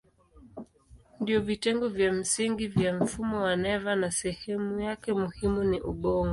Ndiyo vitengo vya msingi vya mfumo wa neva na sehemu yake muhimu ni ubongo.